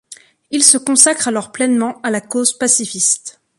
Il se consacre alors pleinement à la cause pacifiste.